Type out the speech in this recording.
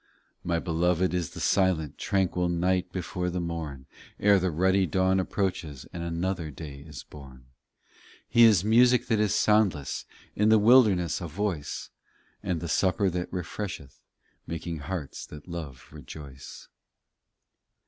15 My Beloved is the silent Tranquil night before the morn; Ere the ruddy dawn approaches And another day is born. He is music that is soundless ; In the wilderness a voice, And the supper that refresheth Making hearts that love rejoice.